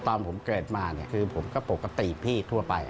ตอนผมเกิดมาคือผมก็ปกติพี่ทั่วไป